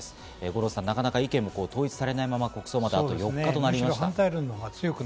五郎さん、なかなか意見も統一されないまま、あと８日となりました。